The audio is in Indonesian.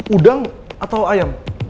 udang atau ayam